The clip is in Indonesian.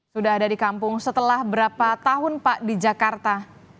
sudah ada di kampung setelah berapa tahun pak di jakarta